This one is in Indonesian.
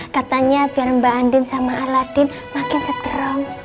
katanya biar mbak andin sama aladin makin segera